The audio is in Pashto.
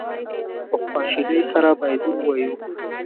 په خواشینی سره باید ووایو.